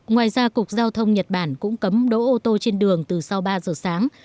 ngoài ra cục giao thông nhật bản cũng cấm đỗ ô tô trên đường từ sau ba giờ sáng